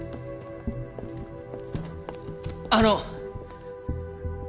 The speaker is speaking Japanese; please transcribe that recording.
あの！